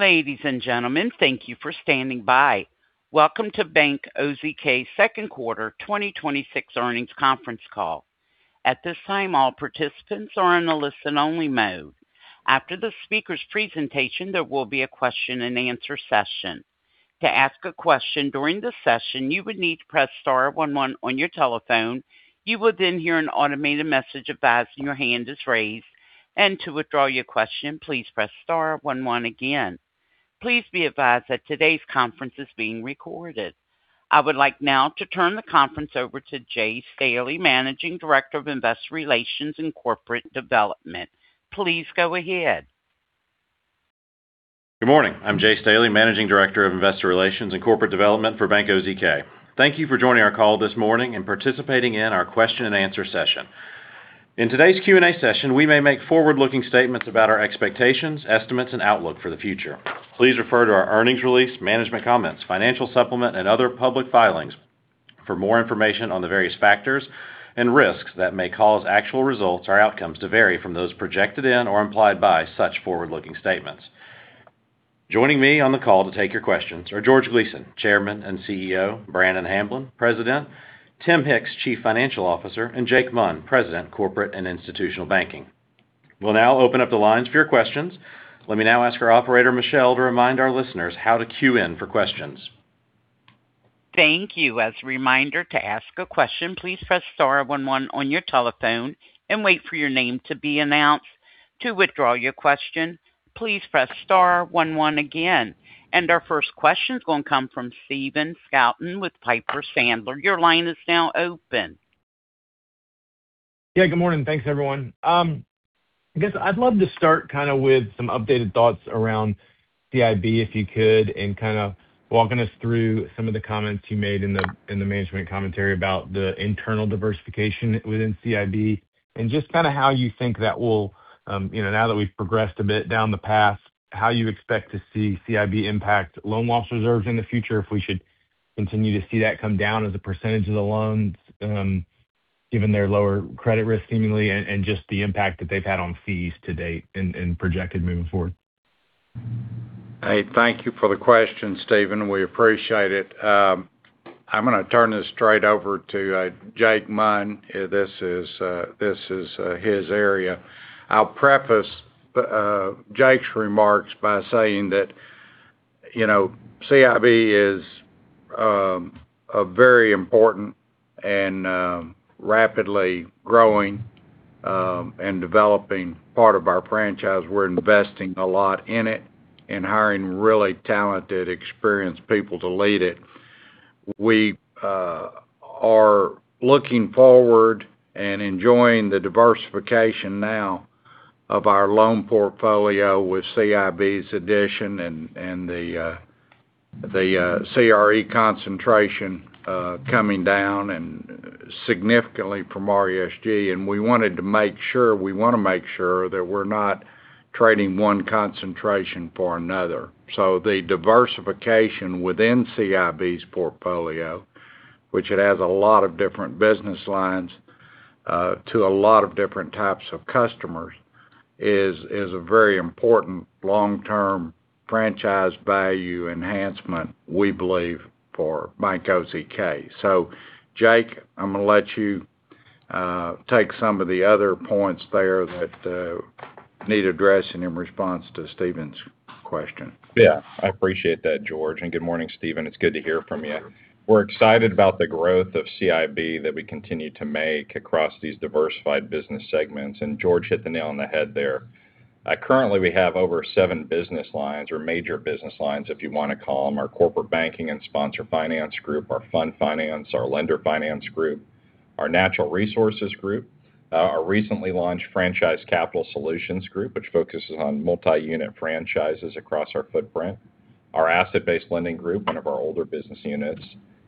Ladies and gentlemen, thank you for standing by. Welcome to Bank OZK second quarter 2026 earnings conference call. At this time, all participants are in a listen-only mode. After the speaker's presentation, there will be a question and answer session. To ask a question during the session, you would need to press star one one on your telephone. You will then hear an automated message advising your hand is raised. To withdraw your question, please press star one one again. Please be advised that today's conference is being recorded. I would like now to turn the conference over to Jay Staley, Managing Director of Investor Relations and Corporate Development. Please go ahead. Good morning. I'm Jay Staley, Managing Director of Investor Relations and Corporate Development for Bank OZK. Thank you for joining our call this morning and participating in our question and answer session. In today's Q&A session, we may make forward-looking statements about our expectations, estimates, and outlook for the future. Please refer to our earnings release, management comments, financial supplement, and other public filings for more information on the various factors and risks that may cause actual results or outcomes to vary from those projected in or implied by such forward-looking statements. Joining me on the call to take your questions are George Gleason, Chairman and CEO, Brannon Hamblen, President, Tim Hicks, Chief Financial Officer, and Jake Munn, President, Corporate and Institutional Banking. We'll now open up the lines for your questions. Let me now ask our operator, Michelle, to remind our listeners how to queue in for questions. Thank you. As a reminder, to ask a question, please press star one one on your telephone and wait for your name to be announced. To withdraw your question, please press star one one again. Our first question is going to come from Stephen Scouten with Piper Sandler. Your line is now open. Yeah, good morning. Thanks, everyone. I guess I'd love to start kind of with some updated thoughts around CIB, if you could, kind of walking us through some of the comments you made in the management commentary about the internal diversification within CIB and just kind of how you think that will, now that we've progressed a bit down the path, how you expect to see CIB impact loan loss reserves in the future, if we should continue to see that come down as a percentage of the loans given their lower credit risk seemingly, and just the impact that they've had on fees to date and projected moving forward. Hey, thank you for the question, Stephen. We appreciate it. I am going to turn this straight over to Jake Munn. This is his area. I will preface Jake's remarks by saying that CIB is a very important and rapidly growing and developing part of our franchise. We are investing a lot in it and hiring really talented, experienced people to lead it. We are looking forward and enjoying the diversification now of our loan portfolio with CIB's addition and the CRE concentration coming down and significantly from RESG. We want to make sure that we are not trading one concentration for another. The diversification within CIB's portfolio, which it has a lot of different business lines to a lot of different types of customers, is a very important long-term franchise value enhancement, we believe, for Bank OZK. Jake, I am going to let you take some of the other points there that need addressing in response to Stephen's question. Yeah, I appreciate that, George. Good morning, Stephen. It is good to hear from you. We are excited about the growth of CIB that we continue to make across these diversified business segments, and George hit the nail on the head there. Currently, we have over seven business lines or major business lines, if you want to call them, our corporate banking and sponsor finance group, our fund finance, our lender finance group, our natural resources group, our recently launched franchise capital solutions group, which focuses on multi-unit franchises across our footprint, our asset-based lending group, one of our older business units,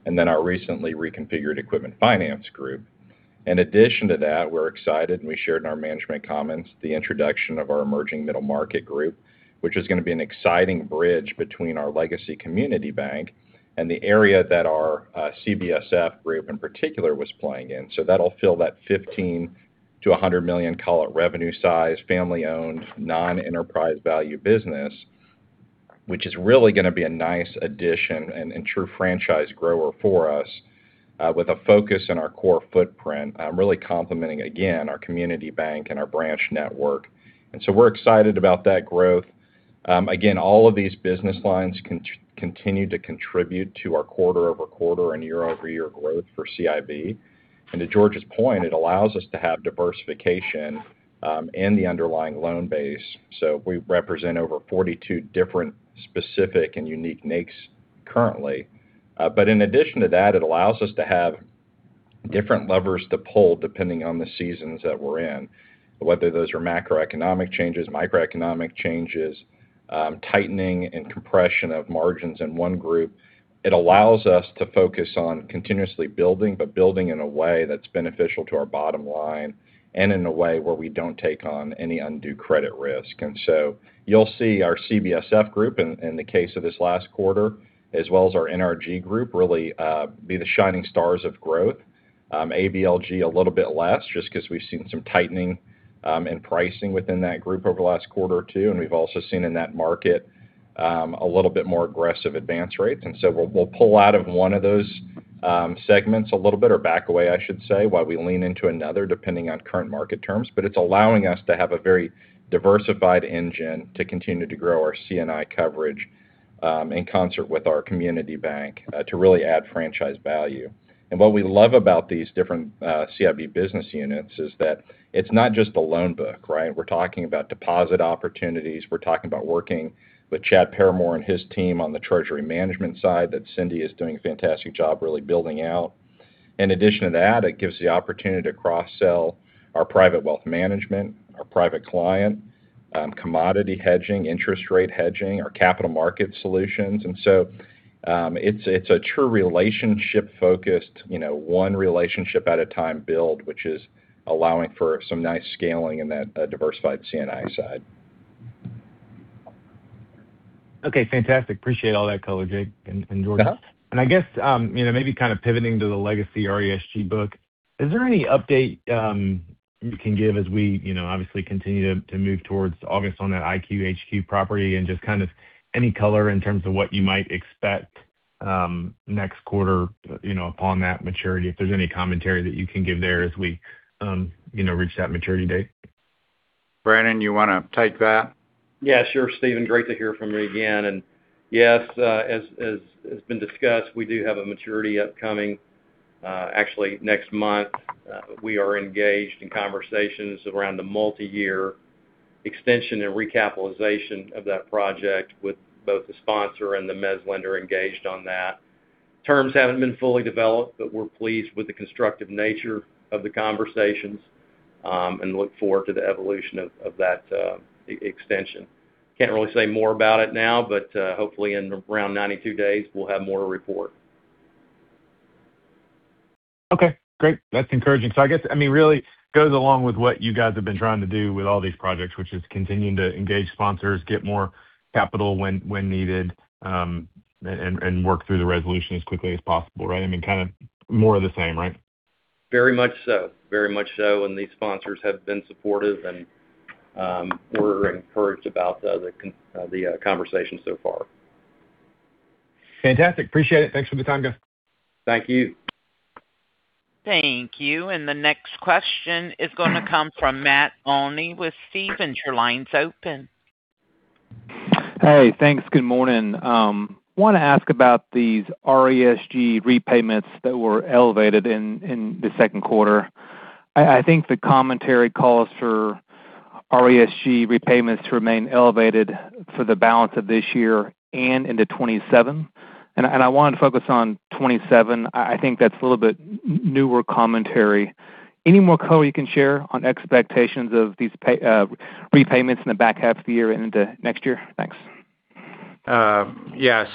and then our recently reconfigured equipment finance group. In addition to that, we are excited, and we shared in our management comments, the introduction of our emerging middle market group which is going to be an exciting bridge between our legacy community bank and the area that our CBSF group in particular was playing in. That will fill that $15 million-$100 million call it revenue size, family-owned, non-enterprise value business, which is really going to be a nice addition and true franchise grower for us with a focus in our core footprint, really complementing, again, our community bank and our branch network. We are excited about that growth. Again, all of these business lines continue to contribute to our quarter-over-quarter and year-over-year growth for CIB. To George's point, it allows us to have diversification in the underlying loan base. We represent over 42 different specific and unique NAICS currently. In addition to that, it allows us to have different levers to pull depending on the seasons that we're in, whether those are macroeconomic changes, microeconomic changes, tightening and compression of margins in one group. It allows us to focus on continuously building, but building in a way that's beneficial to our bottom line and in a way where we don't take on any undue credit risk. You'll see our CBSF group in the case of this last quarter, as well as our NRG group, really be the shining stars of growth ABLG a little bit less, just because we've seen some tightening in pricing within that group over the last quarter or two, and we've also seen in that market a little bit more aggressive advance rates. We'll pull out of one of those segments a little bit, or back away, I should say, while we lean into another, depending on current market terms. It's allowing us to have a very diversified engine to continue to grow our C&I coverage in concert with our community bank to really add franchise value. What we love about these different CIB business units is that it's not just the loan book. We're talking about deposit opportunities. We're talking about working with Chad Parramore and his team on the treasury management side that Cindy is doing a fantastic job really building out. In addition to that, it gives the opportunity to cross-sell our private wealth management, our private client, commodity hedging, interest rate hedging, our capital market solutions. It's a true relationship-focused, one relationship at a time build, which is allowing for some nice scaling in that diversified C&I side. Okay. Fantastic. Appreciate all that color, Jake and George. I guess, maybe kind of pivoting to the legacy RESG book, is there any update you can give as we obviously continue to move towards August on that IQHQ property and just kind of any color in terms of what you might expect next quarter upon that maturity, if there's any commentary that you can give there as we reach that maturity date? Brannon, you want to take that? Yeah, sure, Stephen. Great to hear from you again. Yes, as has been discussed, we do have a maturity upcoming, actually next month. We are engaged in conversations around the multi-year extension and recapitalization of that project with both the sponsor and the mezz lender engaged on that. Terms haven't been fully developed, we're pleased with the constructive nature of the conversations, look forward to the evolution of that extension. Can't really say more about it now, hopefully in around 92 days, we'll have more to report. Okay, great. That's encouraging. I guess, really goes along with what you guys have been trying to do with all these projects, which is continuing to engage sponsors, get more capital when needed, and work through the resolution as quickly as possible, right? More of the same, right? Very much so. These sponsors have been supportive and we're encouraged about the conversation so far. Fantastic. Appreciate it. Thanks for the time, guys. Thank you. Thank you. The next question is going to come from Matt Olney with Stephens. Your line's open. Hey, thanks. Good morning. I want to ask about these RESG repayments that were elevated in the second quarter. I think the commentary calls for RESG repayments to remain elevated for the balance of this year and into 2027. I want to focus on 2027. I think that's a little bit newer commentary. Any more color you can share on expectations of these repayments in the back half of the year and into next year? Thanks. Yes.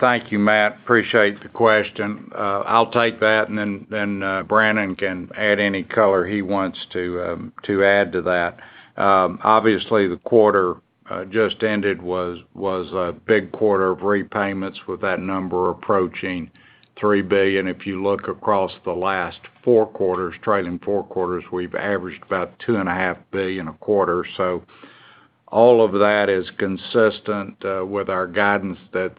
Thank you, Matt. Appreciate the question. I'll take that and then Brannon can add any color he wants to add to that. Obviously, the quarter just ended was a big quarter of repayments with that number approaching $3 billion. If you look across the last trailing four quarters, we've averaged about $2.5 billion a quarter. All of that is consistent with our guidance that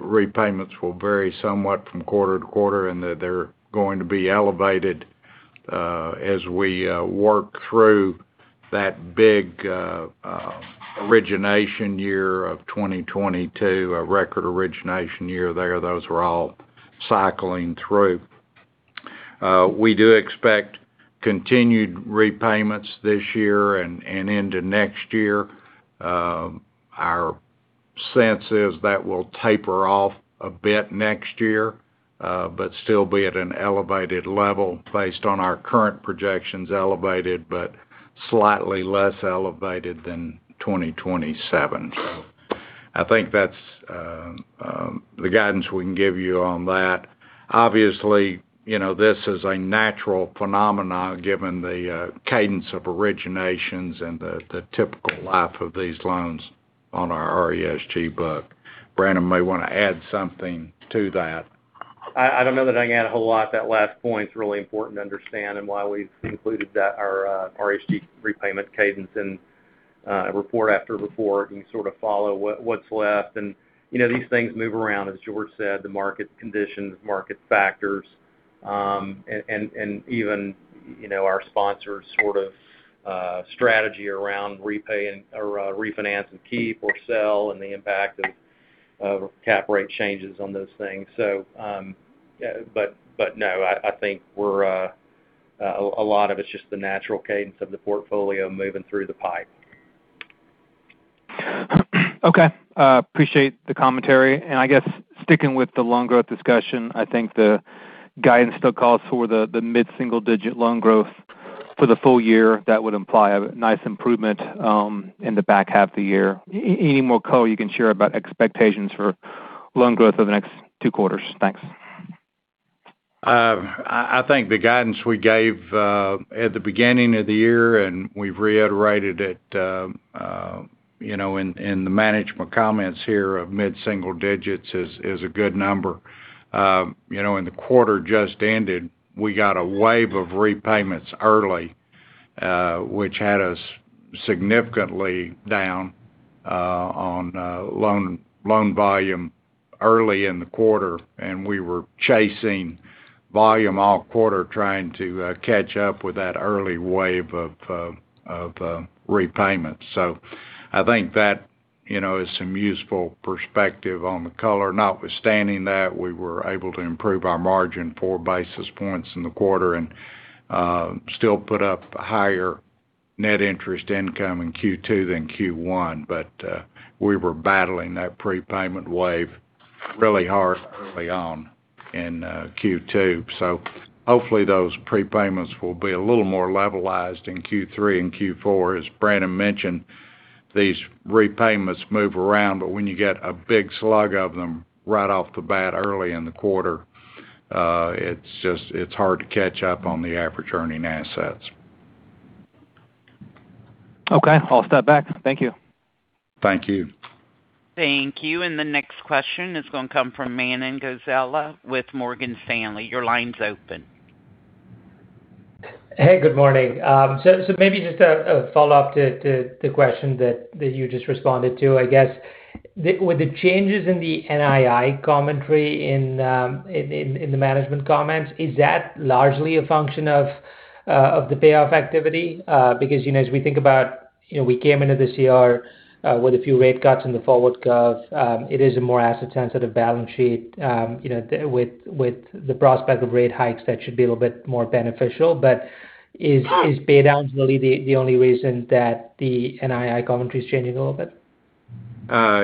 repayments will vary somewhat from quarter to quarter and that they're going to be elevated as we work through that big origination year of 2022, a record origination year there. Those were all cycling through. We do expect continued repayments this year and into next year. Our sense is that will taper off a bit next year, but still be at an elevated level based on our current projections, elevated but slightly less elevated than 2027. I think that's the guidance we can give you on that. Obviously, this is a natural phenomenon given the cadence of originations and the typical life of these loans on our RESG book. Brannon may want to add something to that. I don't know that I can add a whole lot. That last point's really important to understand and why we've included our RESG repayment cadence in report after report. You can sort of follow what's left. These things move around, as George said, the market conditions, market factors, and even our sponsors' sort of strategy around repay or refinance and keep or sell and the impact of cap rate changes on those things. No, I think a lot of it's just the natural cadence of the portfolio moving through the pipe. Okay. Appreciate the commentary. I guess sticking with the loan growth discussion, I think the guidance still calls for the mid-single-digit loan growth for the full year. That would imply a nice improvement in the back half of the year. Any more color you can share about expectations for loan growth over the next two quarters? Thanks. I think the guidance we gave at the beginning of the year, and we've reiterated it in the management comments here of mid-single digits is a good number. In the quarter just ended, we got a wave of repayments early, which had us significantly down on loan volume early in the quarter, and we were chasing volume all quarter trying to catch up with that early wave of repayments. I think that is some useful perspective on the color. Notwithstanding that, we were able to improve our margin 4 basis points in the quarter and still put up higher net interest income in Q2 than Q1. We were battling that prepayment wave really hard early on in Q2. Hopefully those prepayments will be a little more levelized in Q3 and Q4. As Brannon mentioned, these repayments move around, when you get a big slug of them right off the bat early in the quarter, it's hard to catch up on the average earning assets. Okay. I'll step back. Thank you. Thank you. Thank you. The next question is going to come from Manan Gosalia with Morgan Stanley. Your line's open. Hey, good morning. Maybe just a follow-up to the question that you just responded to, I guess. With the changes in the NII commentary in the management comments, is that largely a function of the payoff activity? Because, as we think about we came into this year with a few rate cuts in the forward curve. It is a more asset-sensitive balance sheet with the prospect of rate hikes, that should be a little bit more beneficial. But is pay down really the only reason that the NII commentary is changing a little bit?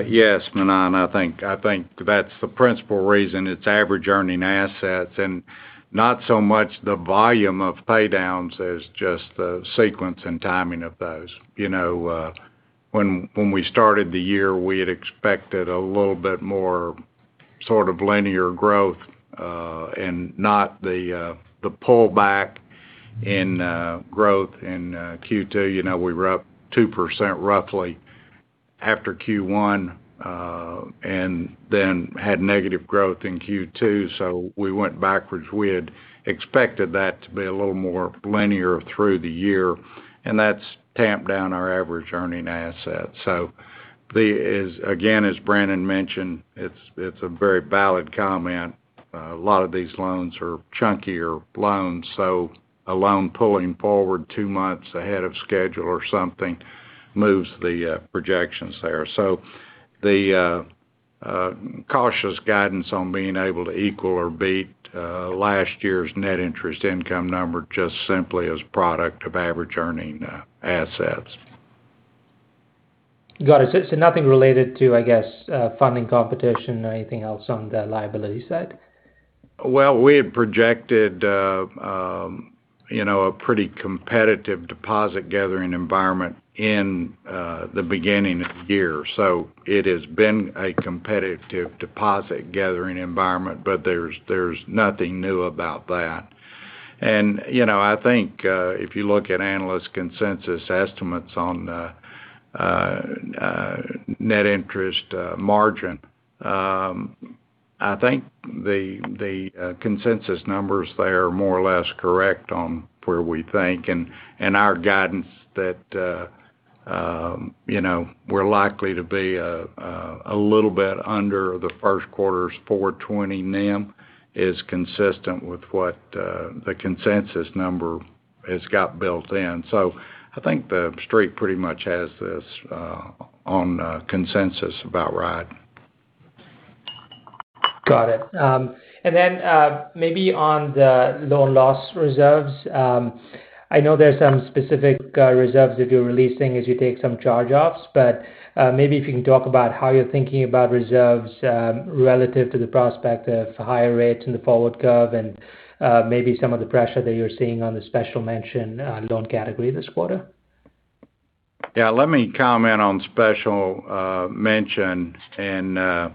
Yes, Manan, I think that's the principal reason. It's average earning assets, and not so much the volume of pay downs as just the sequence and timing of those. When we started the year, we had expected a little bit more sort of linear growth, and not the pullback in growth in Q2. We were up 2% roughly after Q1, and then had negative growth in Q2, so we went backwards. We had expected that to be a little more linear through the year, and that's tamped down our average earning assets. Again, as Brannon mentioned, it's a very valid comment. A lot of these loans are chunkier loans, so a loan pulling forward two months ahead of schedule or something moves the projections there. The cautious guidance on being able to equal or beat last year's net interest income number just simply is a product of average earning assets. Got it. Nothing related to, I guess, funding competition or anything else on the liability side? We had projected a pretty competitive deposit gathering environment in the beginning of the year. It has been a competitive deposit gathering environment, but there's nothing new about that. I think if you look at analyst consensus estimates on net interest margin, I think the consensus numbers there are more or less correct on where we think. Our guidance that we're likely to be a little bit under the first quarter's 420 NIM is consistent with what the consensus number has got built in. I think the Street pretty much has this on consensus about right. Got it. Maybe on the loan loss reserves, I know there's some specific reserves that you're releasing as you take some charge-offs, but maybe if you can talk about how you're thinking about reserves relative to the prospect of higher rates in the forward curve and maybe some of the pressure that you're seeing on the special mention loan category this quarter. Let me comment on special mention, and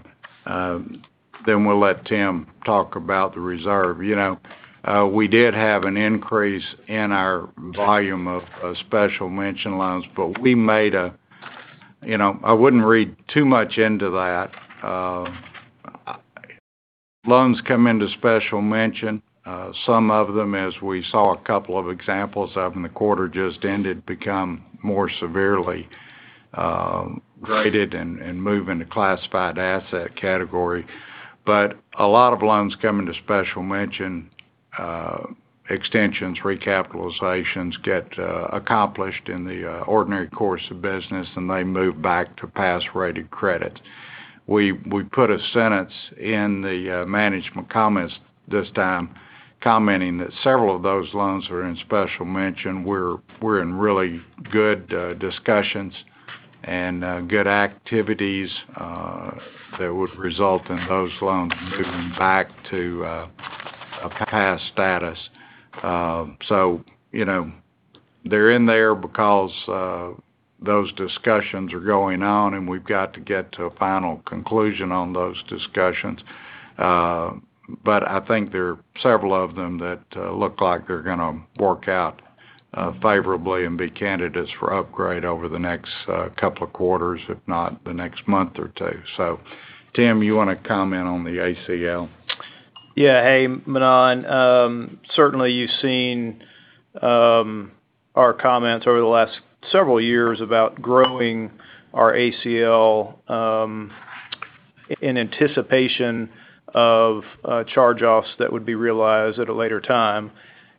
then we'll let Tim talk about the reserve. We did have an increase in our volume of special mention loans, I wouldn't read too much into that. Loans come into special mention. Some of them, as we saw a couple of examples of in the quarter just ended, become more severely rated and move into classified asset category. A lot of loans come into special mention, extensions, recapitalizations get accomplished in the ordinary course of business, and they move back to pass rated credit. We put a sentence in the management comments this time commenting that several of those loans are in special mention. We're in really good discussions and good activities that would result in those loans moving back to a past status. They're in there because those discussions are going on, we've got to get to a final conclusion on those discussions. I think there are several of them that look like they're going to work out favorably and be candidates for upgrade over the next couple of quarters, if not the next month or two. Tim, you want to comment on the ACL? Yeah. Hey, Manan. Certainly, you've seen our comments over the last several years about growing our ACL in anticipation of charge-offs that would be realized at a later time.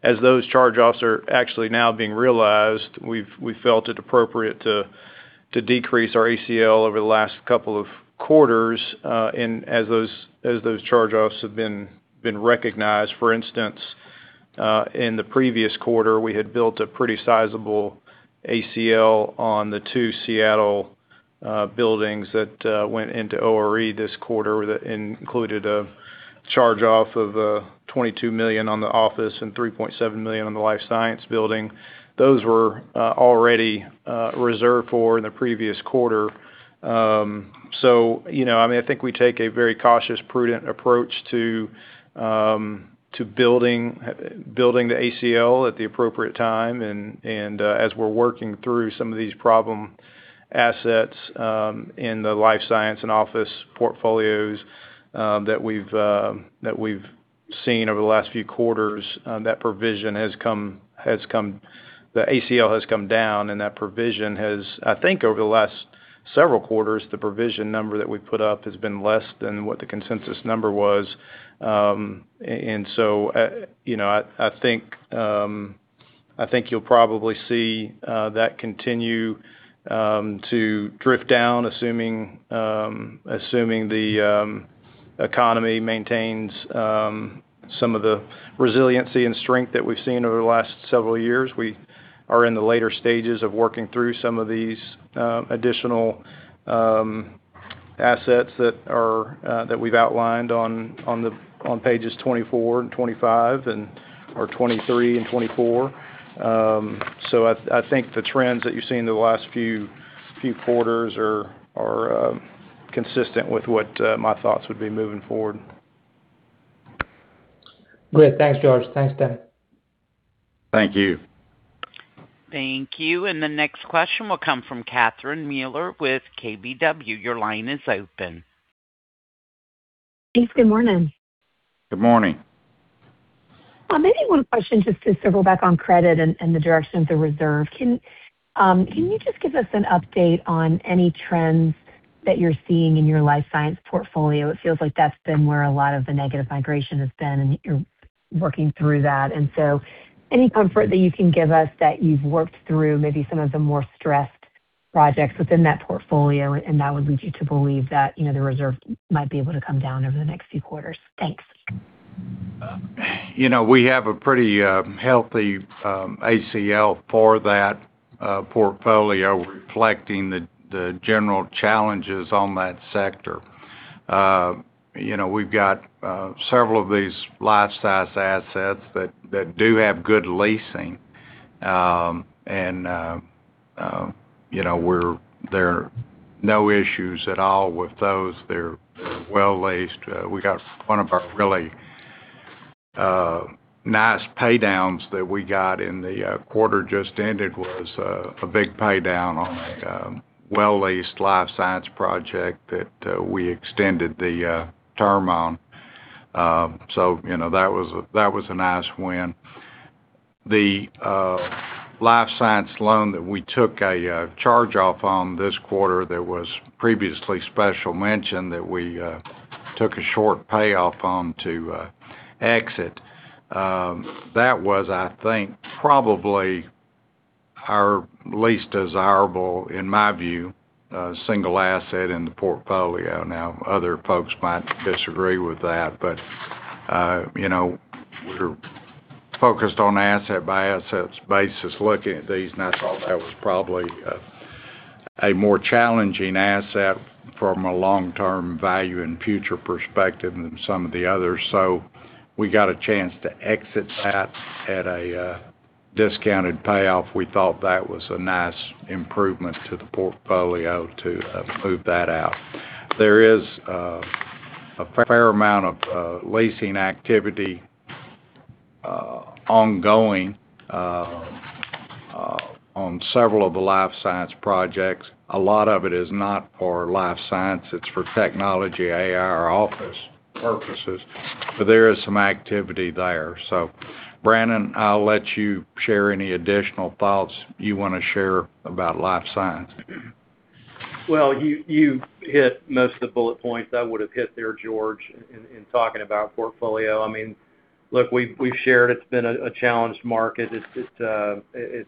As those charge-offs are actually now being realized, we've felt it appropriate to decrease our ACL over the last couple of quarters, as those charge-offs have been recognized. For instance, in the previous quarter, we had built a pretty sizable ACL on the two Seattle buildings that went into OREO this quarter that included a charge-off of $22 million on the office and $3.7 million on the life science building. Those were already reserved for in the previous quarter. I think we take a very cautious, prudent approach to building the ACL at the appropriate time. As we're working through some of these problem assets in the life science and office portfolios that we've seen over the last few quarters, the ACL has come down and I think over the last several quarters, the provision number that we put up has been less than what the consensus number was. I think you'll probably see that continue to drift down assuming the economy maintains some of the resiliency and strength that we've seen over the last several years. We are in the later stages of working through some of these additional assets that we've outlined on pages 24 and 25 or 23 and 24. I think the trends that you've seen over the last few quarters are consistent with what my thoughts would be moving forward. Great. Thanks, George. Thanks, Tim. Thank you. Thank you. The next question will come from Catherine Mealor with KBW. Your line is open. Thanks. Good morning. Good morning. Maybe one question just to circle back on credit and the direction of the reserve. Can you just give us an update on any trends that you're seeing in your life science portfolio? It feels like that's been where a lot of the negative migration has been, and you're working through that. Any comfort that you can give us that you've worked through maybe some of the more stressed projects within that portfolio, and that would lead you to believe that the reserve might be able to come down over the next few quarters. Thanks. We have a pretty healthy ACL for that portfolio reflecting the general challenges on that sector. We've got several of these life science assets that do have good leasing. There are no issues at all with those. They're well leased. One of our really nice paydowns that we got in the quarter just ended was a big paydown on a well-leased life science project that we extended the term on. That was a nice win. The life science loan that we took a charge-off on this quarter that was previously special mention that we took a short payoff on to exit. That was, I think, probably our least desirable, in my view, single asset in the portfolio. Other folks might disagree with that, but we're focused on asset by assets basis looking at these, and I thought that was probably a more challenging asset from a long-term value and future perspective than some of the others. We got a chance to exit that at a discounted payoff. We thought that was a nice improvement to the portfolio to move that out. There is a fair amount of leasing activity ongoing on several of the life science projects. A lot of it is not for life science. It's for technology, AI, or office purposes. There is some activity there. Brannon, I'll let you share any additional thoughts you want to share about life science. Well, you hit most of the bullet points I would have hit there, George, in talking about portfolio. Look, we've shared it's been a challenged market. It's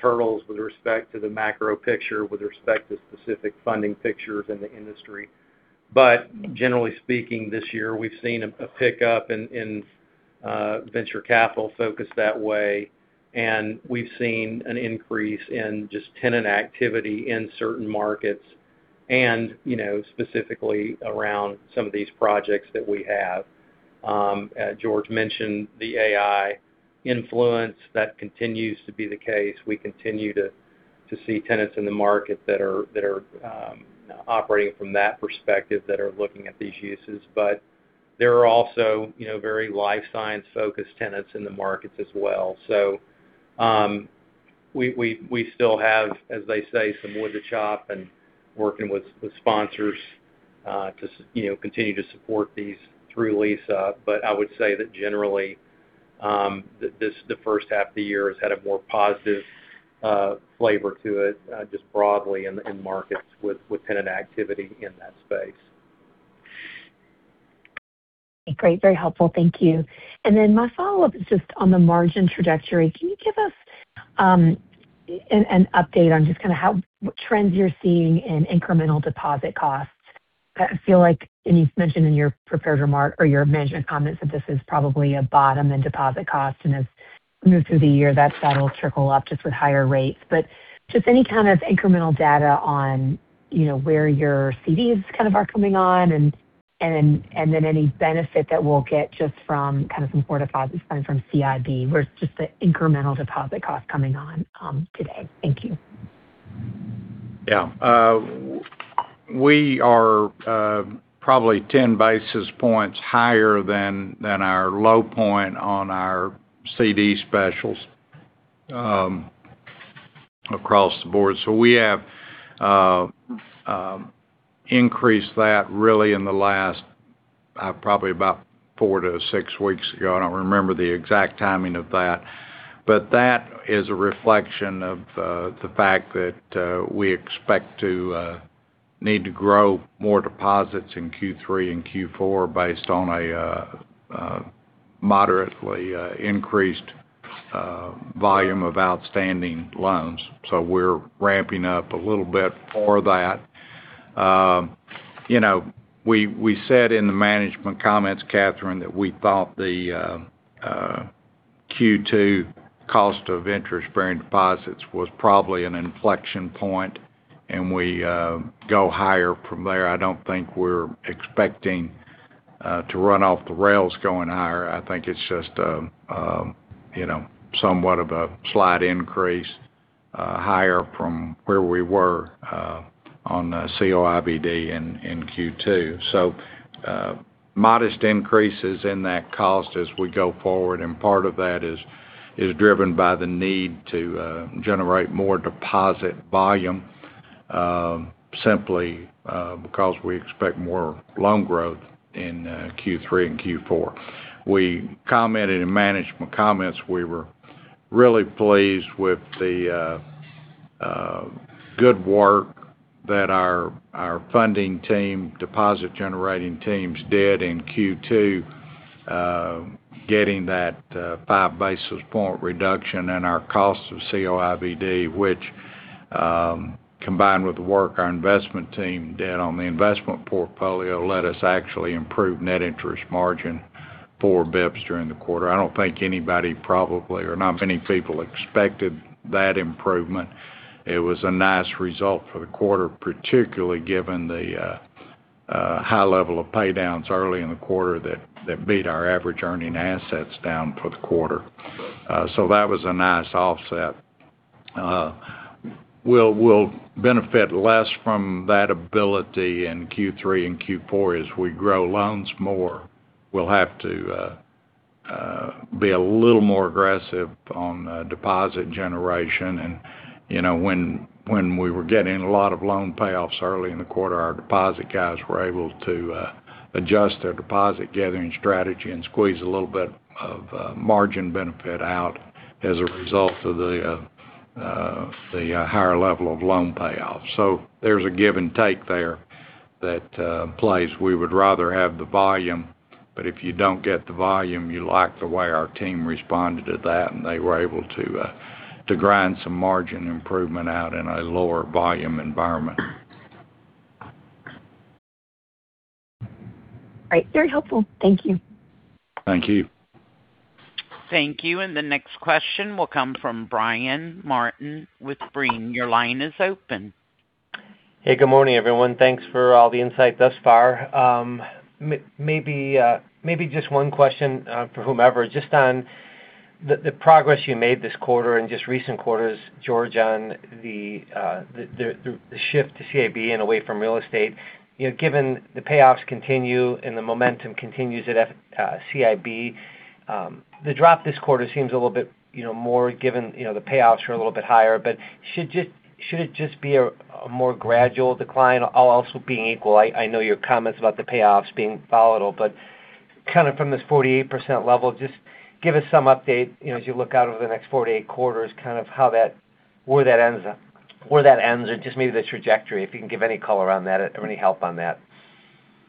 hurdles with respect to the macro picture, with respect to specific funding pictures in the industry. Generally speaking, this year, we've seen a pickup in venture capital focus that way, and we've seen an increase in just tenant activity in certain markets and specifically around some of these projects that we have. As George mentioned, the AI influence, that continues to be the case. We continue to see tenants in the market that are operating from that perspective, that are looking at these uses. There are also very life science-focused tenants in the markets as well. We still have, as they say, some wood to chop and working with sponsors to continue to support these through lease-up. I would say that generally, the first half of the year has had a more positive flavor to it just broadly in markets with tenant activity in that space. Great. Very helpful. Thank you. My follow-up is just on the margin trajectory. Can you give us an update on just kind of what trends you're seeing in incremental deposit costs? I feel like, and you've mentioned in your prepared remark or your management comments, that this is probably a bottom in deposit cost and as we move through the year, that'll trickle up just with higher rates. Just any kind of incremental data on where your CDs kind of are coming on and then any benefit that we'll get just from kind of some core deposits coming from CIB versus just the incremental deposit cost coming on today. Thank you. Yeah. We are probably 10 basis points higher than our low point on our CD specials across the board. We have increased that really in the last probably about four to six weeks ago. I don't remember the exact timing of that. That is a reflection of the fact that we expect to need to grow more deposits in Q3 and Q4 based on a moderately increased volume of outstanding loans. We're ramping up a little bit for that. We said in the management comments, Catherine, that we thought the Q2 cost of interest-bearing deposits was probably an inflection point, and we go higher from there. I don't think we're expecting to run off the rails going higher. I think it's just somewhat of a slight increase higher from where we were on COIBD in Q2. Modest increases in that cost as we go forward, part of that is driven by the need to generate more deposit volume simply because we expect more loan growth in Q3 and Q4. We commented in management comments we were really pleased with the good work that our funding team, deposit generating teams did in Q2 getting that five basis point reduction in our cost of COIBD, which combined with the work our investment team did on the investment portfolio, let us actually improve net interest margin four basis points during the quarter. I don't think anybody probably or not many people expected that improvement. It was a nice result for the quarter, particularly given the high level of pay downs early in the quarter that beat our average earning assets down for the quarter. That was a nice offset. We'll benefit less from that ability in Q3 and Q4. As we grow loans more, we'll have to be a little more aggressive on deposit generation. When we were getting a lot of loan payoffs early in the quarter, our deposit guys were able to adjust their deposit gathering strategy and squeeze a little bit of margin benefit out as a result of the higher level of loan payoffs. There's a give and take there that plays. We would rather have the volume, but if you don't get the volume, you like the way our team responded to that, and they were able to grind some margin improvement out in a lower volume environment. Great. Very helpful. Thank you. Thank you. Thank you. The next question will come from Brian Martin with Brean. Your line is open. Hey, good morning, everyone. Thanks for all the insight thus far. Maybe just one question for whomever, just on the progress you made this quarter and just recent quarters, George, on the shift to CIB and away from real estate. Given the payoffs continue and the momentum continues at CIB, the drop this quarter seems a little bit more given the payoffs are a little bit higher. Should it just be a more gradual decline all else being equal? I know your comments about the payoffs being volatile, but kind of from this 48% level, just give us some update as you look out over the next four to eight quarters, kind of where that ends up, where that ends, and just maybe the trajectory, if you can give any color on that or any help on that.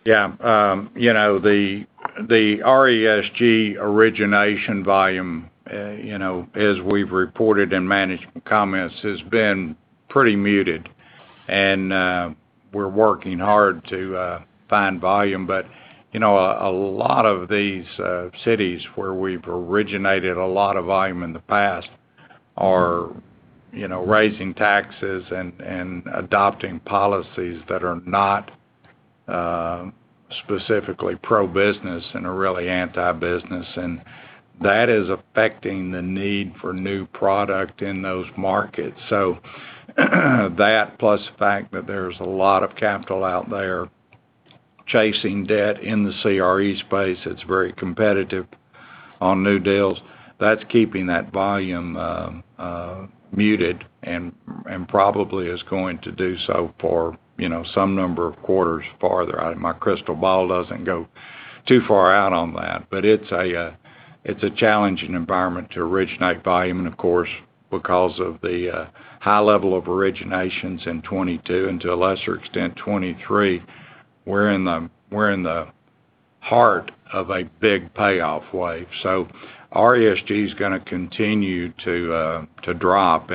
Yeah. The RESG origination volume as we've reported in management comments, has been pretty muted. We're working hard to find volume. A lot of these cities where we've originated a lot of volume in the past are raising taxes and adopting policies that are not specifically pro-business and are really anti-business, and that is affecting the need for new product in those markets. That plus the fact that there's a lot of capital out there chasing debt in the CRE space, it's very competitive on new deals. That's keeping that volume muted and probably is going to do so for some number of quarters farther out. My crystal ball doesn't go too far out on that. It's a challenging environment to originate volume. Of course, because of the high level of originations in 2022, and to a lesser extent 2023, we're in the heart of a big payoff wave. RESG is going to continue to drop.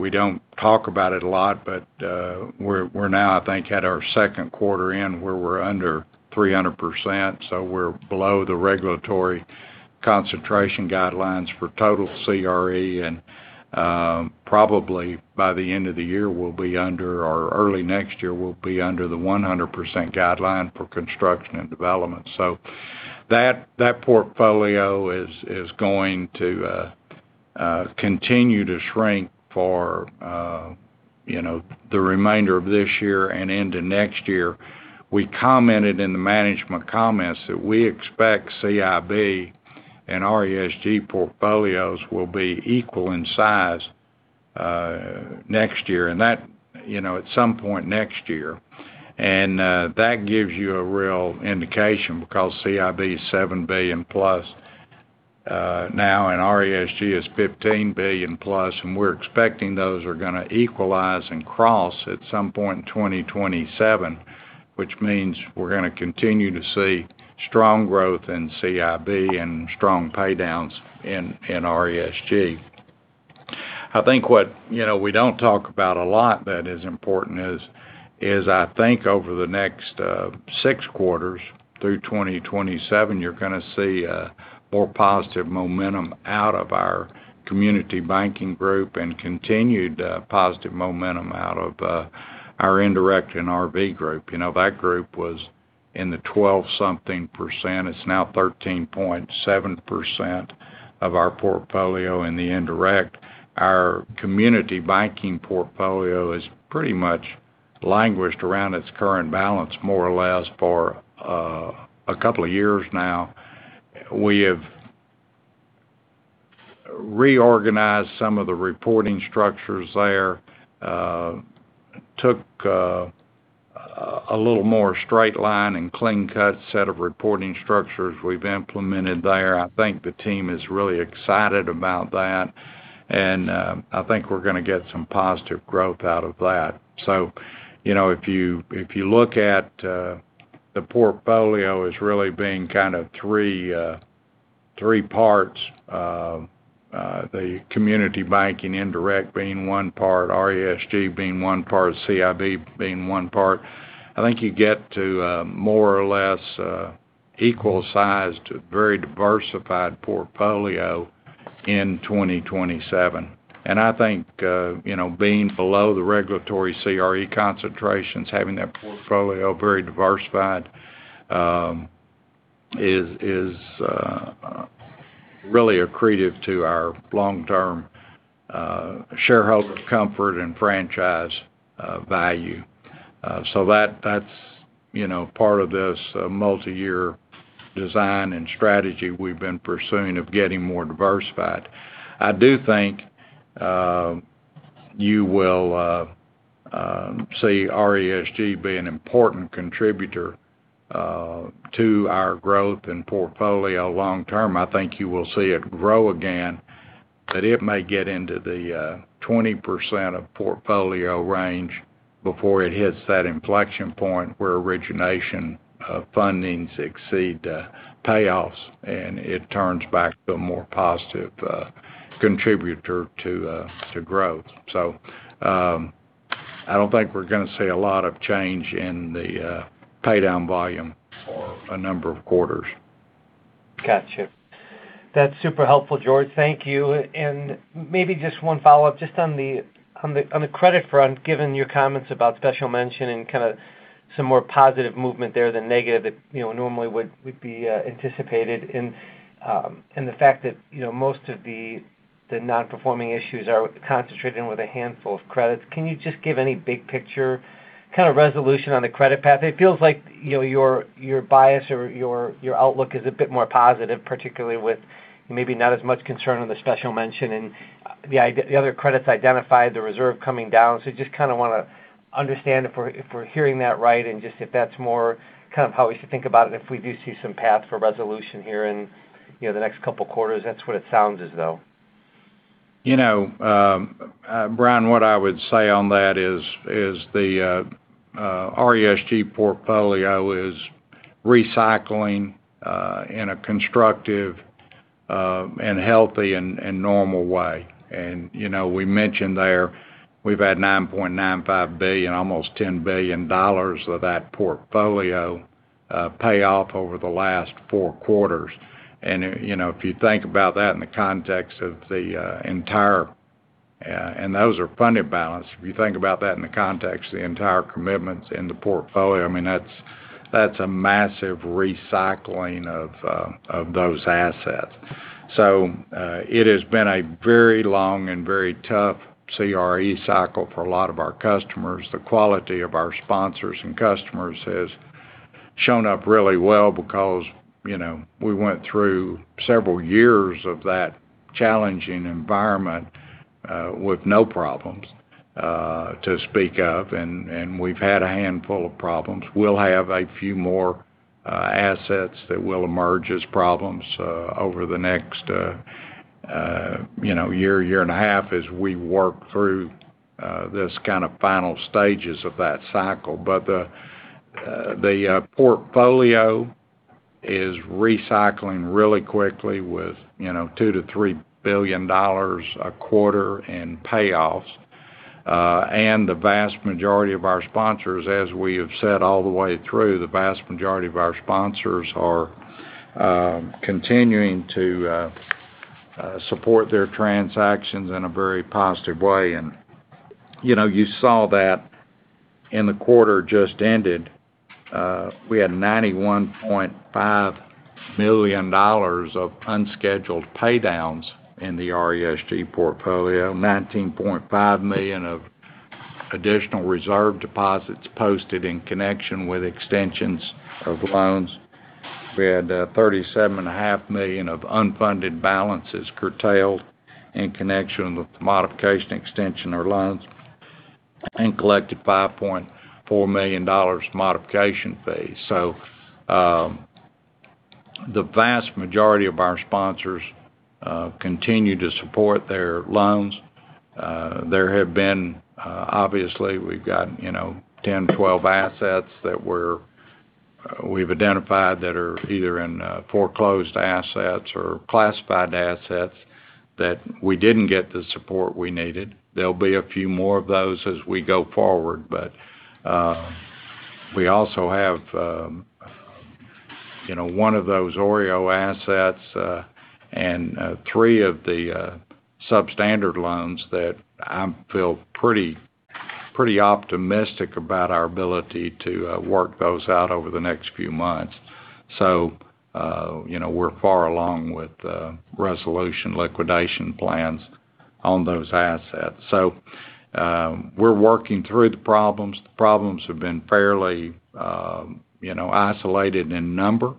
We don't talk about it a lot, but we're now, I think, at our second quarter end where we're under 300%, so we're below the regulatory concentration guidelines for total CRE, and probably by the end of the year, we'll be under, or early next year, we'll be under the 100% guideline for construction and development. That portfolio is going to continue to shrink for the remainder of this year and into next year. We commented in the management comments that we expect CIB and RESG portfolios will be equal in size next year, at some point next year. That gives you a real indication, because CIB is $7+ billion now, and RESG is $15+ billion, and we're expecting those are going to equalize and cross at some point in 2027, which means we're going to continue to see strong growth in CIB and strong paydowns in RESG. I think what we don't talk about a lot that is important is, I think over the next six quarters through 2027, you're going to see a more positive momentum out of our community banking group and continued positive momentum out of our indirect and RV group. That group was in the 12 something percent. It's now 13.7% of our portfolio in the indirect. Our community banking portfolio has pretty much languished around its current balance more or less for a couple of years now. We have reorganized some of the reporting structures there, took a little more straight line and clean cut set of reporting structures we've implemented there. I think the team is really excited about that, and I think we're going to get some positive growth out of that. If you look at the portfolio as really being kind of three parts, the community banking indirect being one part, RESG being one part, CIB being one part, I think you get to a more or less equal sized, very diversified portfolio in 2027. I think being below the regulatory CRE concentrations, having that portfolio very diversified is really accretive to our long-term shareholder comfort and franchise value. That's part of this multi-year design and strategy we've been pursuing of getting more diversified. I do think you will see RESG be an important contributor to our growth and portfolio long term. I think you will see it grow again, but it may get into the 20% of portfolio range before it hits that inflection point where origination fundings exceed payoffs and it turns back to a more positive contributor to growth. I don't think we're going to see a lot of change in the paydown volume for a number of quarters. Got you. That's super helpful, George. Thank you. Maybe just one follow-up just on the credit front, given your comments about special mention and kind of some more positive movement there than negative that normally would be anticipated, and the fact that most of the non-performing issues are concentrated with a handful of credits. Can you just give any big picture, kind of resolution on the credit path? It feels like your bias or your outlook is a bit more positive, particularly with maybe not as much concern on the special mention and the other credits identified, the reserve coming down. Just kind of want to understand if we're hearing that right and just if that's more kind of how we should think about it if we do see some path for resolution here in the next couple of quarters. That's what it sounds as, though. Brian, what I would say on that is the RESG portfolio is recycling in a constructive and healthy and normal way. We mentioned there, we've had $9.95 billion, almost $10 billion of that portfolio pay off over the last four quarters. If you think about that in the context of the entire and those are funded balance. If you think about that in the context of the entire commitments in the portfolio, that's a massive recycling of those assets. It has been a very long and very tough CRE cycle for a lot of our customers. The quality of our sponsors and customers has shown up really well because we went through several years of that challenging environment with no problems to speak of, and we've had a handful of problems. We'll have a few more assets that will emerge as problems over the next year and a half, as we work through this kind of final stages of that cycle. The portfolio is recycling really quickly with $2 billion-$3 billion a quarter in payoffs. The vast majority of our sponsors, as we have said all the way through, the vast majority of our sponsors are continuing to support their transactions in a very positive way. You saw that in the quarter just ended, we had $91.5 million of unscheduled pay downs in the RESG portfolio, $19.5 million of additional reserve deposits posted in connection with extensions of loans. We had $37.5 million of unfunded balances curtailed in connection with the modification, extension of loans, and collected $5.4 million modification fees. The vast majority of our sponsors continue to support their loans. There have been, obviously, we've got 10, 12 assets that we've identified that are either in foreclosed assets or classified assets that we didn't get the support we needed. There'll be a few more of those as we go forward. We also have one of those OREO assets, and three of the substandard loans that I feel pretty optimistic about our ability to work those out over the next few months. We're far along with resolution liquidation plans on those assets. We're working through the problems. The problems have been fairly isolated in number,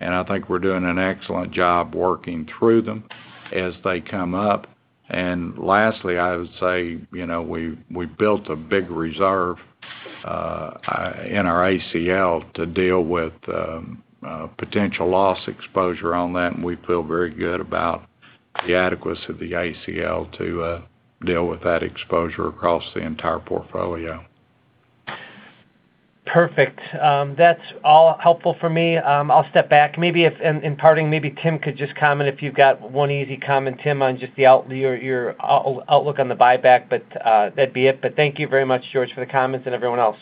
and I think we're doing an excellent job working through them as they come up. Lastly, I would say, we built a big reserve in our ACL to deal with potential loss exposure on that, and we feel very good about the adequacy of the ACL to deal with that exposure across the entire portfolio. Perfect. That's all helpful for me. I'll step back. Maybe if in parting, maybe Tim could just comment if you've got one easy comment, Tim, on just your outlook on the buyback, but that'd be it. Thank you very much, George, for the comments and everyone else.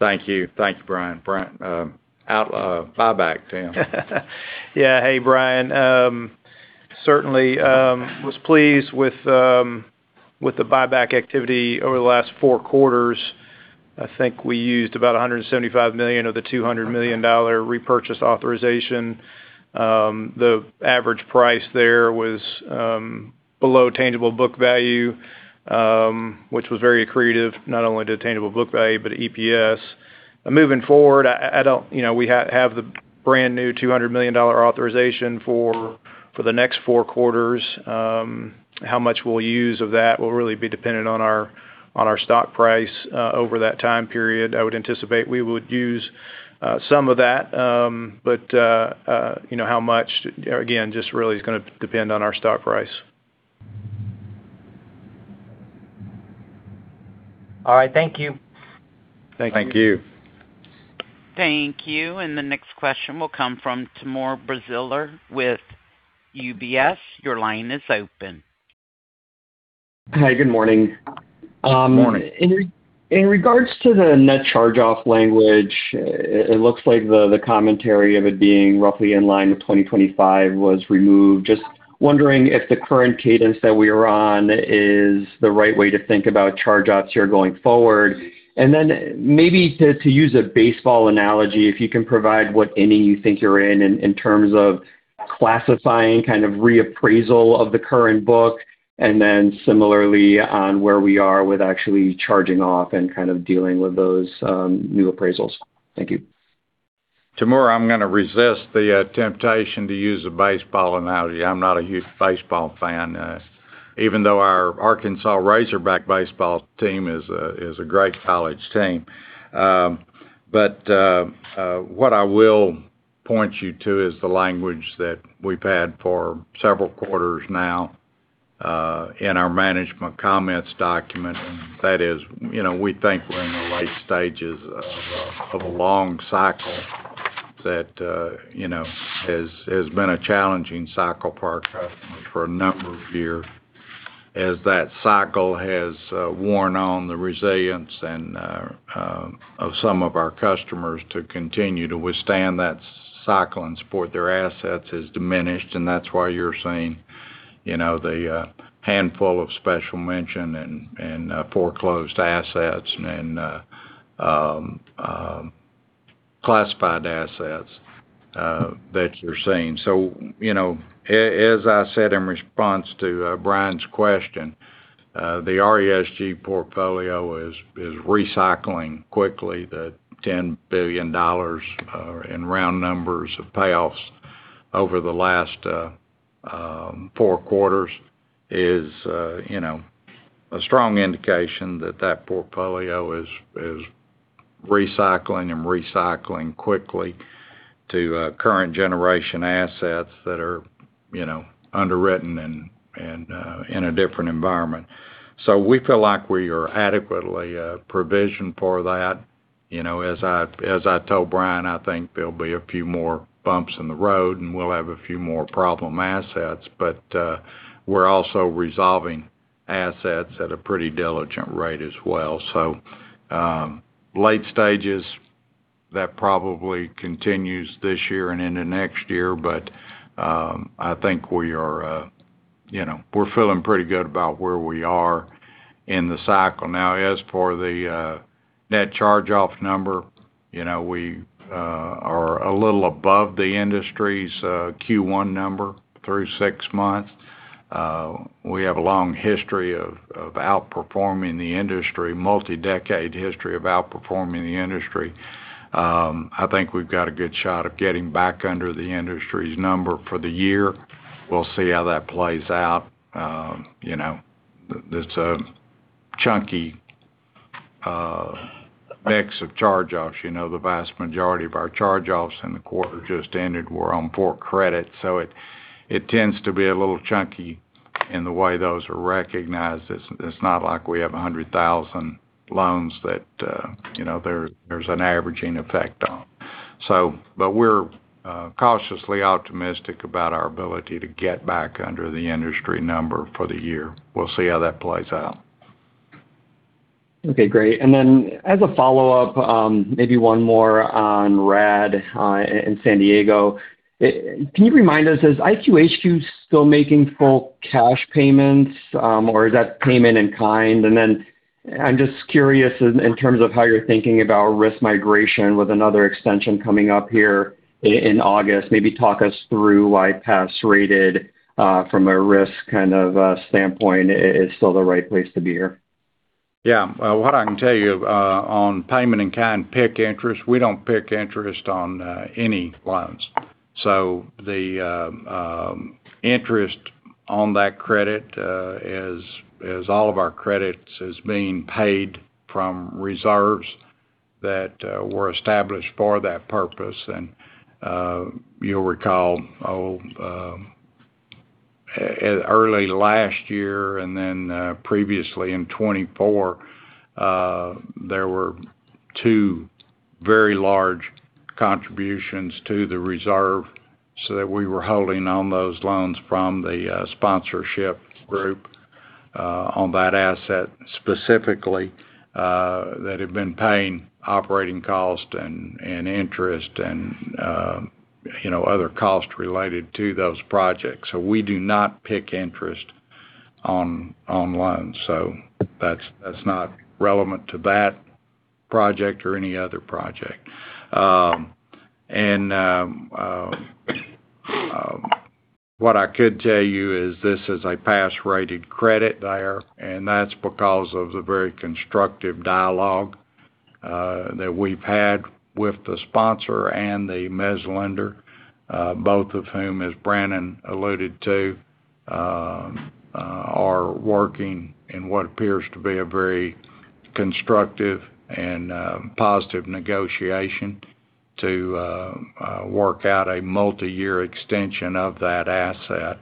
Thank you. Thank you, Brian. Buyback, Tim. Hey, Brian. Certainly, was pleased with the buyback activity over the last four quarters. I think I used about $175 million of the $200 million repurchase authorization. The average price there was below tangible book value, which was very accretive, not only to tangible book value, but EPS. Moving forward, we have the brand-new $200 million authorization for the next four quarters. How much we'll use of that will really be dependent on our stock price over that time period. I would anticipate we would use some of that. How much, again, just really is going to depend on our stock price. All right. Thank you. Thank you. Thank you. Thank you. The next question will come from Timur Braziler with UBS. Your line is open. Hi, good morning. Morning. In regards to the net charge-off language, it looks like the commentary of it being roughly in line with 2025 was removed. Just wondering if the current cadence that we are on is the right way to think about charge-offs here going forward. Then maybe to use a baseball analogy, if you can provide what inning you think you're in terms of classifying, kind of reappraisal of the current book, and then similarly on where we are with actually charging off and kind of dealing with those new appraisals. Thank you. Timur, I'm going to resist the temptation to use a baseball analogy. I'm not a huge baseball fan. Even though our Arkansas Razorbacks baseball team is a great college team. What I will point you to is the language that we've had for several quarters now, in our management comments document. That is, we think we're in the late stages of a long cycle that has been a challenging cycle for our customers for a number of years. As that cycle has worn on, the resilience of some of our customers to continue to withstand that cycle and support their assets has diminished, and that's why you're seeing the handful of special mention and foreclosed assets, and classified assets that you're seeing. As I said in response to Brian's question, the RESG portfolio is recycling quickly. The $10 billion in round numbers of payoffs over the last four quarters is a strong indication that that portfolio is recycling and recycling quickly to current generation assets that are underwritten and in a different environment. We feel like we are adequately provisioned for that. As I told Brian, I think there'll be a few more bumps in the road, and we'll have a few more problem assets, but we're also resolving assets at a pretty diligent rate as well. Late stages, that probably continues this year and into next year. I think we're feeling pretty good about where we are in the cycle. Now, as for the net charge-off number, we are a little above the industry's Q1 number through six months. We have a long history of outperforming the industry, multi-decade history of outperforming the industry. I think we've got a good shot of getting back under the industry's number for the year. We'll see how that plays out. It's a chunky mix of charge-offs. The vast majority of our charge-offs in the quarter just ended were on poor credit, so it tends to be a little chunky in the way those are recognized. It's not like we have 100,000 loans that there's an averaging effect on. We're cautiously optimistic about our ability to get back under the industry number for the year. We'll see how that plays out. Okay, great. As a follow-up, maybe one more on RaDD in San Diego. Can you remind us, is IQHQ still making full cash payments? Is that payment in kind? I'm just curious in terms of how you're thinking about risk migration with another extension coming up here in August. Maybe talk us through why pass rated, from a risk kind of standpoint, is still the right place to be here. Yeah. What I can tell you, on payment in kind, PIK interest, we don't PIK interest on any loans. The interest on that credit, as all of our credits, is being paid from reserves that were established for that purpose. You'll recall, early last year, and then previously in 2024, there were two very large contributions to the reserve that we were holding on those loans from the sponsorship group on that asset specifically, that had been paying operating costs and interest and other costs related to those projects. We do not PIK interest on loans. That's not relevant to that project or any other project. What I could tell you is this is a pass-rated credit there, and that's because of the very constructive dialogue that we've had with the sponsor and the mezz lender, both of whom, as Brannon alluded to, are working in what appears to be a very constructive and positive negotiation to work out a multi-year extension of that asset.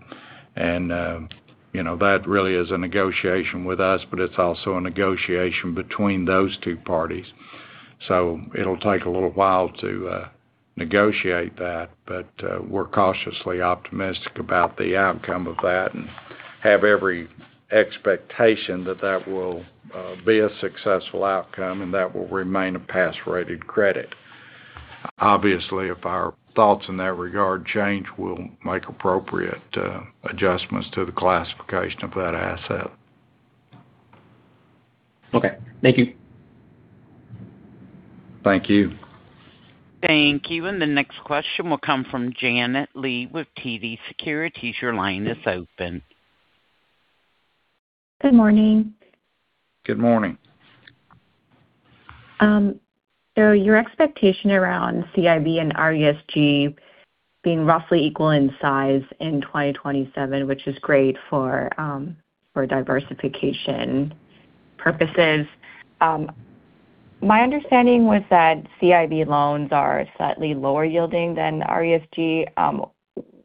That really is a negotiation with us, but it's also a negotiation between those two parties. It'll take a little while to negotiate that. We're cautiously optimistic about the outcome of that and have every expectation that that will be a successful outcome and that will remain a pass-rated credit. Obviously, if our thoughts in that regard change, we'll make appropriate adjustments to the classification of that asset. Okay. Thank you. Thank you. Thank you. The next question will come from Janet Lee with TD Securities. Your line is open. Good morning. Good morning. Your expectation around CIB and RESG being roughly equal in size in 2027, which is great for diversification purposes. My understanding was that CIB loans are slightly lower yielding than RESG.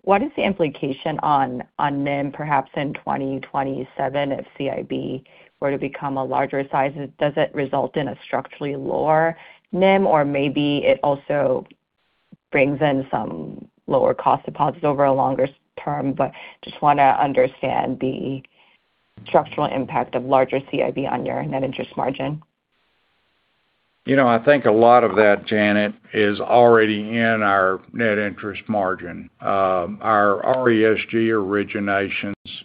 What is the implication on NIM, perhaps in 2027, if CIB were to become a larger size? Does it result in a structurally lower NIM? Maybe it also brings in some lower cost deposits over a longer term, but just want to understand the structural impact of larger CIB on your net interest margin. I think a lot of that, Janet, is already in our net interest margin. Our RESG originations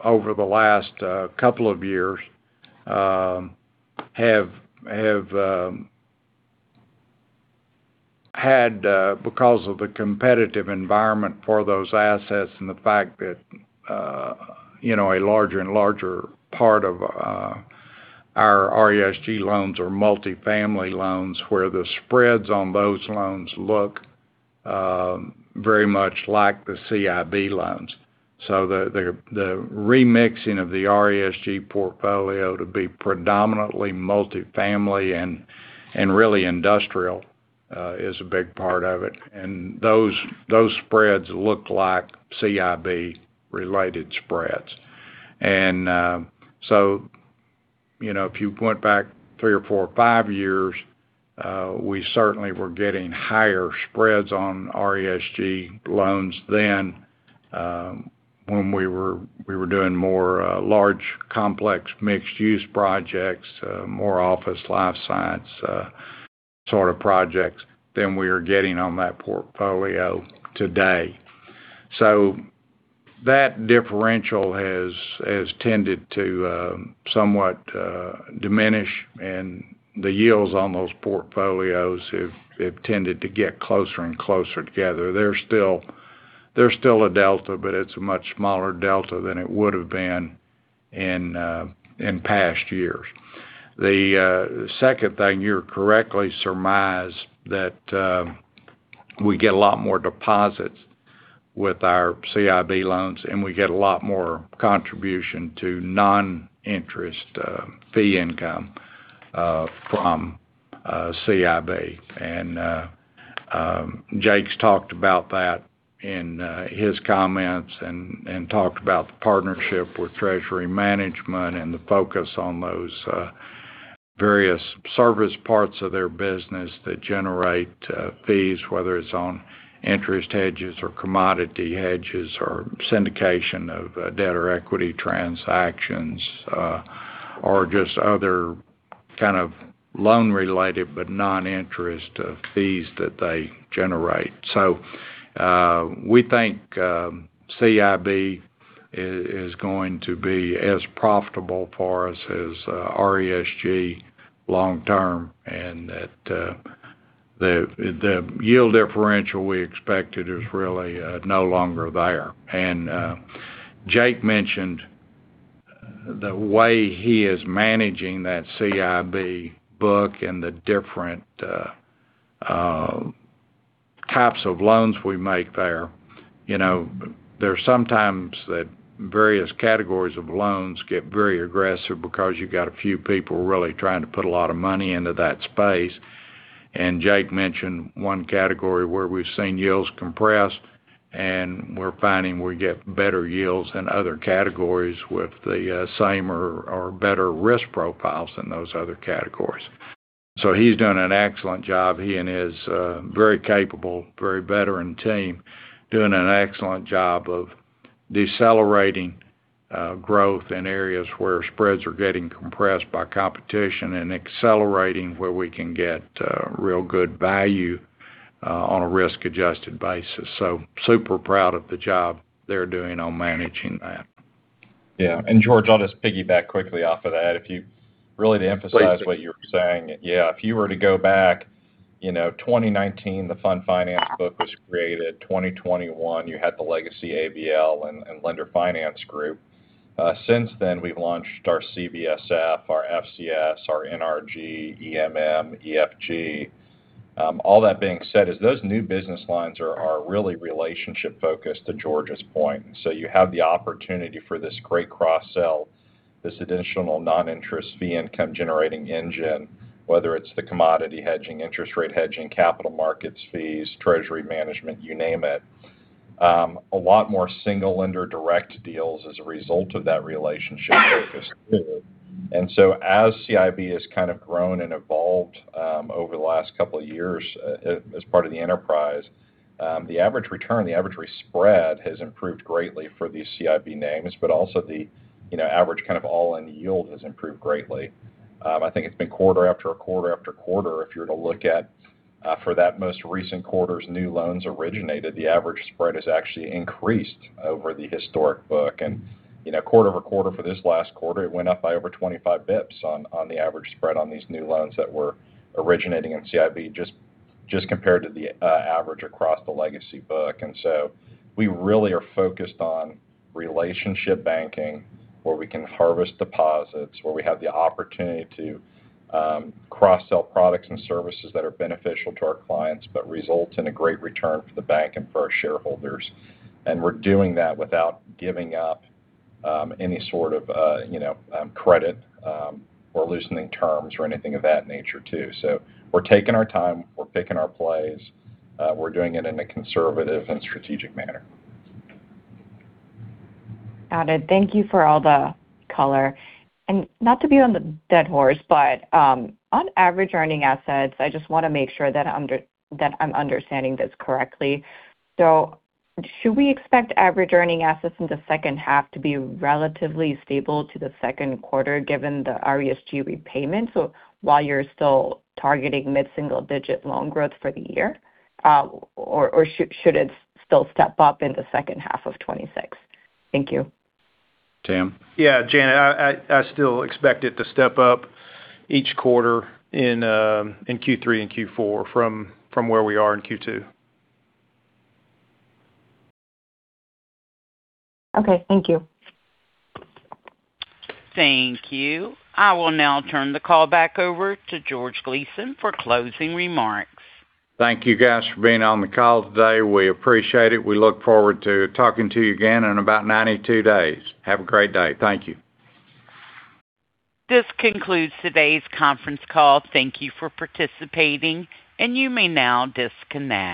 over the last couple of years have had, because of the competitive environment for those assets and the fact that a larger and larger part of our RESG loans are multifamily loans where the spreads on those loans look very much like the CIB loans. The remixing of the RESG portfolio to be predominantly multifamily and really industrial is a big part of it. Those spreads look like CIB related spreads. If you went back three or four or five years, we certainly were getting higher spreads on RESG loans then when we were doing more large, complex, mixed-use projects, more office, life science sort of projects than we are getting on that portfolio today. That differential has tended to somewhat diminish, and the yields on those portfolios have tended to get closer and closer together. There's still a delta, but it's a much smaller delta than it would've been in past years. The second thing, you correctly surmised that we get a lot more deposits with our CIB loans, and we get a lot more contribution to non-interest fee income from CIB. Jake's talked about that in his comments, and talked about the partnership with treasury management and the focus on those various service parts of their business that generate fees, whether it's on interest hedges or commodity hedges or syndication of debt or equity transactions or just other kind of loan related but non-interest fees that they generate. We think CIB is going to be as profitable for us as RESG long term, and that the yield differential we expected is really no longer there. Jake mentioned the way he is managing that CIB book and the different types of loans we make there. There's sometimes that various categories of loans get very aggressive because you got a few people really trying to put a lot of money into that space. Jake mentioned one category where we've seen yields compress, and we're finding we get better yields in other categories with the same or better risk profiles than those other categories. He's doing an excellent job. He and his very capable, very veteran team doing an excellent job of decelerating growth in areas where spreads are getting compressed by competition and accelerating where we can get real good value on a risk-adjusted basis. Super proud of the job they're doing on managing that. George, I'll just piggyback quickly off of that. Really to emphasize what you were saying. Yeah, if you were to go back 2019, the fund finance book was created. 2021, you had the legacy ABL and lender finance group. Since then, we've launched our CBSF, our FCS, our NRG, EMM, EFG. All that being said is those new business lines are really relationship focused to George's point. You have the opportunity for this great cross-sell, this additional non-interest fee income generating engine, whether it's the commodity hedging, interest rate hedging, capital markets fees, treasury management, you name it. A lot more single lender direct deals as a result of that relationship focus too. As CIB has kind of grown and evolved over the last couple of years as part of the enterprise, the average return, the average spread has improved greatly for these CIB names, but also the average kind of all-in yield has improved greatly. I think it's been quarter after quarter after quarter if you're to look at for that most recent quarter's new loans originated, the average spread has actually increased over the historic book. Quarter-over-quarter for this last quarter, it went up by over 25 basis points on the average spread on these new loans that were originating in CIB just compared to the average across the legacy book. We really are focused on relationship banking where we can harvest deposits, where we have the opportunity to cross-sell products and services that are beneficial to our clients, but result in a great return for the bank and for our shareholders. We're doing that without giving up any sort of credit or loosening terms or anything of that nature too. We're taking our time, we're picking our plays, we're doing it in a conservative and strategic manner. Got it. Thank you for all the color. Not to beat on the dead horse, but on average earning assets, I just want to make sure that I'm understanding this correctly. Should we expect average earning assets in the second half to be relatively stable to the second quarter given the RESG repayment? While you're still targeting mid-single digit loan growth for the year? Or should it still step up in the second half of 2026? Thank you. Tim? Yeah. Janet, I still expect it to step up each quarter in Q3 and Q4 from where we are in Q2. Okay. Thank you. Thank you. I will now turn the call back over to George Gleason for closing remarks. Thank you guys for being on the call today. We appreciate it. We look forward to talking to you again in about 92 days. Have a great day. Thank you. This concludes today's conference call. Thank you for participating. You may now disconnect.